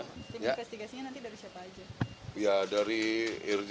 tim investigasinya nanti dari siapa aja